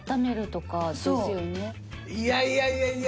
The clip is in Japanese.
いやいやいやいや。